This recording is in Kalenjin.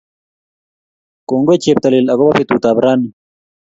Kongoi, cheptailel agoba betutab raini